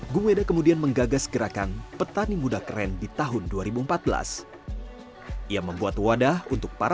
gungweda kemudian menggagas gerakan petani muda keren di tahun dua ribu empat belas ia membuat wadah untuk para